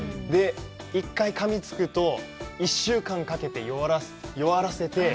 １回かみつくと、１週間かけて弱らせて。